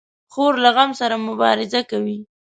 خور له غم سره مبارزه کوي.